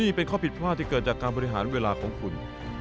นี่เป็นข้อผิดพลาดที่เกิดจากการบริหารเวลาของคุณ